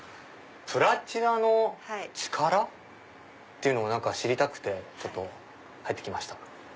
プラチナの力っていうのを知りたくて入って来ました。